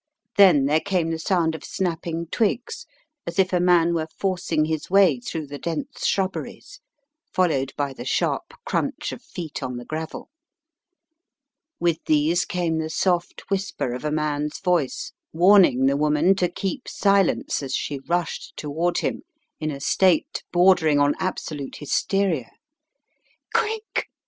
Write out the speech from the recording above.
Then there came the sound of snapping twigs as if a man were forcing his way through the dense shrubberies, followed by the sharp crunch of feet on the gravel. With these came the soft whisper of a man's voice warning the woman to keep silence as she rushed toward him, in a state bordering on absolute hysteria. "Quick!"